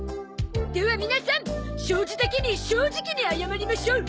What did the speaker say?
では皆さん障子だけに正直に謝りましょう。